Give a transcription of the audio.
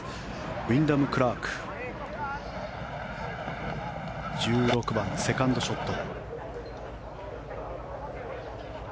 ウィンダム・クラーク１６番、セカンドショット。